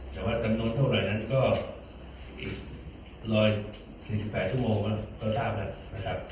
แต่ว่าจำนวนเท่าไหร่นั้นก็อีก๑๔๘ชั่วโมงก็ทราบแล้วนะครับ